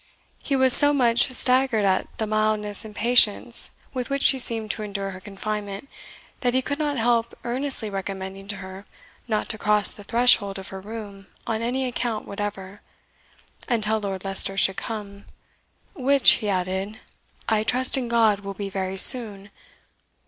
He was so much staggered at the mildness and patience with which she seemed to endure her confinement, that he could not help earnestly recommending to her not to cross the threshold of her room on any account whatever, until Lord Leicester should come, "which," he added, "I trust in God, will be very soon."